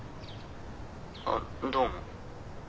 あっどうも。